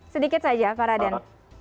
sedikit saja pak raden